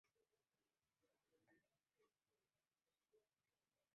Oscar uncle আর Basset দুজনেই পলের নাম করা ঘোড়ার উপর বড় বাজি ধরে।